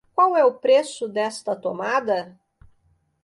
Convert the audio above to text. Qual é o preço desta tomada?